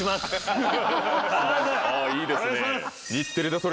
あいいですね。